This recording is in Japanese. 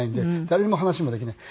誰にも話もできない。